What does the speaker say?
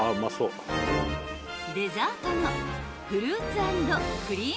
［デザートの］